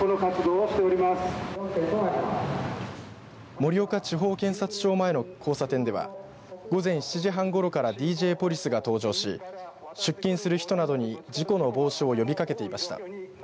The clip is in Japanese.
盛岡地方検察庁前の交差点では午前７時半ころからＤＪポリスが登場し出勤する人などに事故の防止を呼びかけていました。